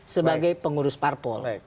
sebagai pengurus parpol